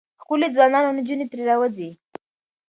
ښکلي ځوانان او نجونې ترې راوځي.